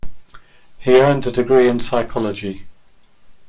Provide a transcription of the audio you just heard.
He earned a degree in psychology.